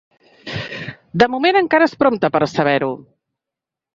De moment encara és prompte per a saber-ho.